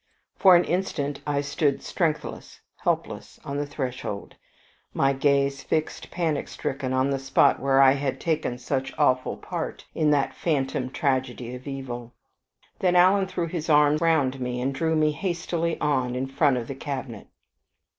For an instant I stood strengthless, helpless, on the threshold, my gaze fixed panic stricken on the spot where I had taken such awful part in that phantom tragedy of evil; then Alan threw his arm round me, and drew me hastily on in front of the cabinet.